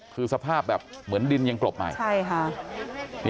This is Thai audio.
คือสภาพแบบเหมือนดินยังกลบใหม่ใช่ค่ะ